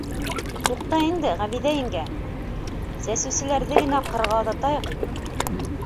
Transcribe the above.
- Туҡта инде, Ғәбиҙә еңгә, сәсеүселәрҙе генә ҡырға оҙатайыҡ.